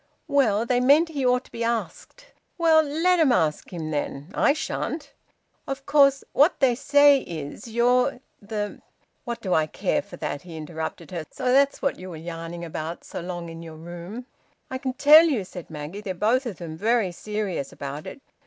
"Well they meant he ought to be asked." "Well, let 'em ask him, then. I shan't." "Of course what they say is you're the " "What do I care for that?" he interrupted her. "So that's what you were yarning so long about in your room!" "I can tell you," said Maggie, "they're both of them very serious about it.